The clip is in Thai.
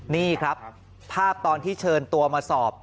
นี่ครับภาพตอนที่เชิญตัวมาสอบ